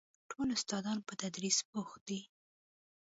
ټول استادان په تدريس بوخت دي.